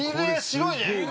白いね。